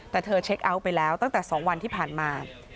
แต่เธอเช็คเอาท์ไปแล้วตั้งแต่๒วันที่ผ่านมา